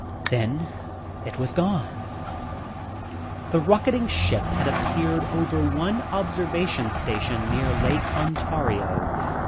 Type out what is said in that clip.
Then, it was gone! The rocketing ship had appeared over one observation station near Lake Ontario.